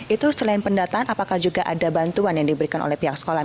itu selain pendataan apakah juga ada bantuan yang diberikan oleh pihak sekolah